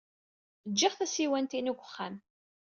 Ǧǧiɣ tasiwant-inu deg uxxam.